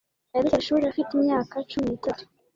yaretse ishuri afite imyaka cumi n'itatu.